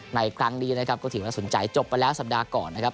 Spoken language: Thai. ในครั้งนี้นะครับก็ถือว่าสนใจจบไปแล้วสัปดาห์ก่อนนะครับ